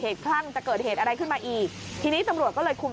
คลั่งจะเกิดเหตุอะไรขึ้นมาอีกทีนี้ตำรวจก็เลยคุม